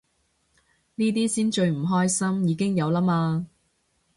呢啲先最唔關心，已經有啦嘛